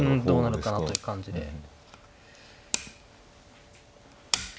どうなるかなという感じで。